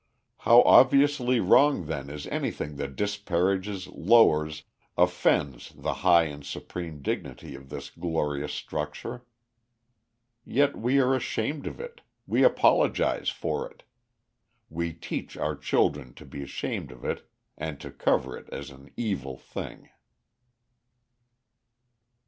How obviously wrong then is anything that disparages, lowers, offends the high and supreme dignity of this glorious structure. Yet we are ashamed of it, we apologize for it, we teach our children to be ashamed of it and to cover it as an evil thing.